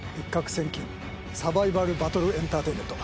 千金サバイバルバトルエンターテインメント。